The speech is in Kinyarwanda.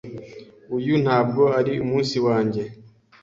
Uyu ntabwo ari umunsi wanjye.